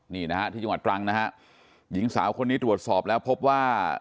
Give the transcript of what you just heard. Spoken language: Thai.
นี่นะฮะที่จังหวัดตรังนะฮะหญิงสาวคนนี้ตรวจสอบแล้วพบว่า